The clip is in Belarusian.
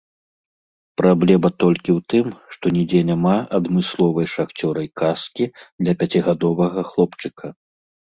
Праблема толькі ў тым, што нідзе няма адмысловай шахцёрскай каскі для пяцігадовага хлопчыка.